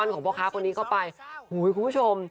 ขอบคุณคุณคุณผู้ชม